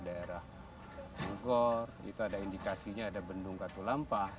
daerah daerah bogor itu ada indikasinya ada bendung katulampa